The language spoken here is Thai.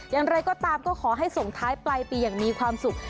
อย่างไรก็ตามก็ขอให้ส่งท้ายปลายปีอย่างมีความสุข